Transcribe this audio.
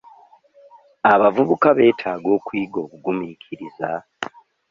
Abavubuka beetaaga okuyiga obugumiikiriza.